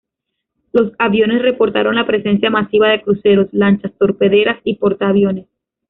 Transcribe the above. Los aviones reportaron la presencia masiva de cruceros, lanchas torpederas y portaaviones.